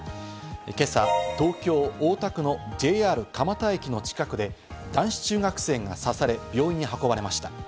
今朝、東京・大田区のＪＲ蒲田駅の近くで、男子中学生が刺され、病院に運ばれました。